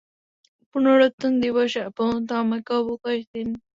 পুনরুত্থান দিবস পর্যন্ত আমাকে অবকাশ দিন।